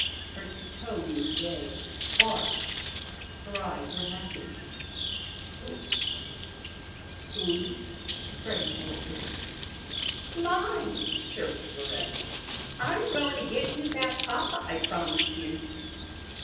Her tone was gay, arch, her eyes were happy. "Who whose?" Freddy faltered. "Mine!" chirped Florette. "I'm goin' to get you that papa I promised you."